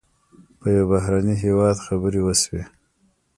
په یو بهرني هېواد خبرې وشوې.